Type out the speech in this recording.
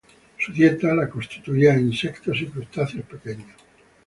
Su dieta la constituían insectos y crustáceos pequeños.